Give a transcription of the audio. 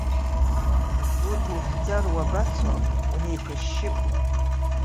Урҭ ухьӡар, уабацо, унеиқәышьшьып.